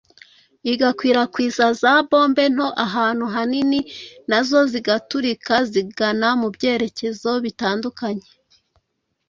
igakwirakwiza za mbombe nto ahantu hanini na zo zigaturika zigana mu byerekezo bitandukanye